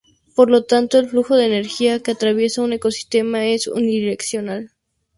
Por tanto, el flujo de energía que atraviesa un ecosistema es unidireccional.